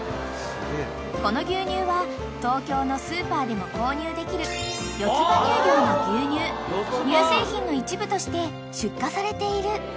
［この牛乳は東京のスーパーでも購入できるよつ葉乳業の牛乳乳製品の一部として出荷されている］